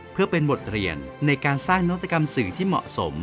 เพื่อเป็นบทเรียนในการสร้างนวัตกรรมสื่อที่เหมาะสม